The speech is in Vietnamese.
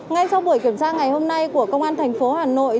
ngay sau buổi kiểm tra ngày hôm nay của công an thành phố hà nội